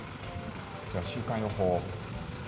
では週間予報。